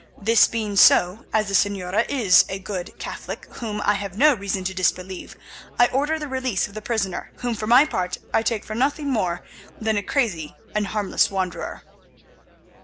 This being so, as the Señora is a good Catholic whom I have no reason to disbelieve, I order the release of the prisoner, whom for my part I take for nothing more than a crazy and harmless wanderer."